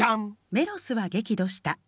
・「メロスは激怒した。